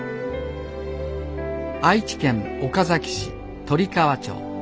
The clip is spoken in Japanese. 愛知県岡崎市鳥川町。